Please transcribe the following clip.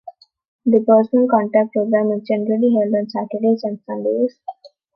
The Personal Contact Programme is generally held on Saturdays and Sundays.